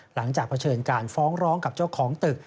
เผชิญการฟ้องร้องกับเจ้าของตึก